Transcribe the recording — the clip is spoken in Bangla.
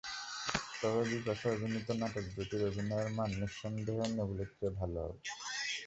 তবে বিপাশা অভিনীত নাটক দুটির অভিনয়ের মান নিঃসন্দেহে অন্যগুলোর চেয়ে ভালো হবে।